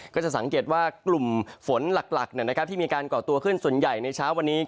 ก็จะสังเกตว่ากลุ่มฝนหลักที่มีการก่อตัวขึ้นส่วนใหญ่ในเช้าวันนี้